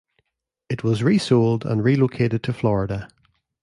It was resold and relocated to Florida.